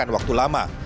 tidak memakan waktu lama